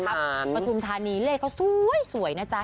ปฐุมธานีเลขเขาสวยนะจ๊ะ